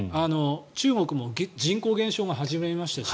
中国も人口減少が始まりましたし